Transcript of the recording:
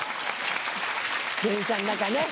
電車の中ね。